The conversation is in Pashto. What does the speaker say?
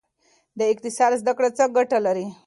د اقتصاد زده کړه څه ګټه لري؟